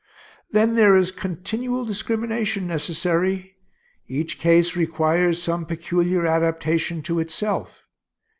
Then there is continual discrimination necessary. Each case requires some peculiar adaptation to itself.